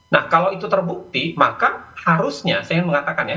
nah kalau itu terbukti maka harusnya saya ingin mengatakan ya